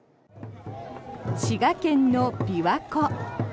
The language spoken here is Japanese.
滋賀県の琵琶湖。